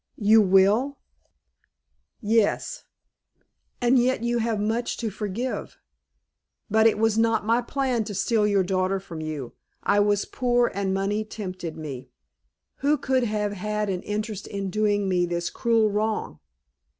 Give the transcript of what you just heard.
"You will?" "Yes." "And yet you have much to forgive. But it was not my plan to steal your daughter from you. I was poor, and money tempted me." "Who could have had an interest in doing me this cruel wrong?"